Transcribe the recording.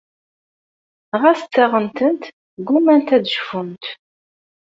Ɣas ttaɣent-tent ggummant ad cfunt.